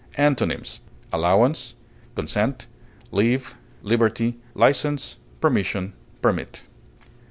Antonyms: allowance, consent, leave, liberty, license, permission, permit.